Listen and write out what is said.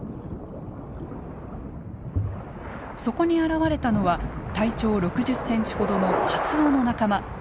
そこに現れたのは体長６０センチほどのカツオの仲間。